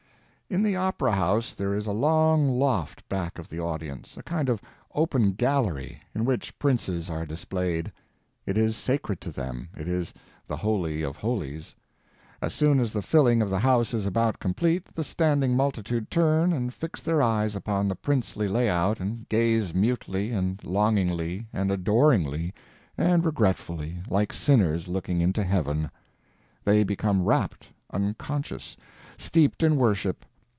In the opera house there is a long loft back of the audience, a kind of open gallery, in which princes are displayed. It is sacred to them; it is the holy of holies. As soon as the filling of the house is about complete the standing multitude turn and fix their eyes upon the princely layout and gaze mutely and longingly and adoringly and regretfully like sinners looking into heaven. They become rapt, unconscious, steeped in worship.